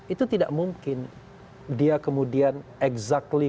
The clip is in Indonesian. itu tidak mungkin dia kemudian exactly